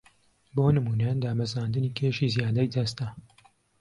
بۆ نموونە دابەزاندنی کێشی زیادەی جەستە